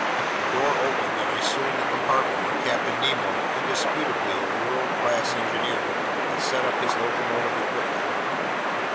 A door opened, and I stood in the compartment where Captain Nemo, indisputably a world class engineer, had set up his locomotive equipment.